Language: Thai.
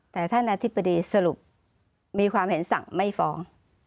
แต่ท่านอธิบดีสรุปมีความเห็นสั่งไม่ฟ้อง